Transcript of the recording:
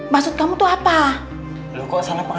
maksudnya dia itu kaya siapa